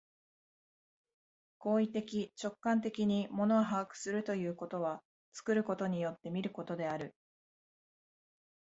行為的直観的に物を把握するということは、作ることによって見ることである。